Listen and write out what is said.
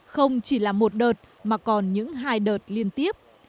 không chỉ là một đợt mà còn những hai đợt liên tiếp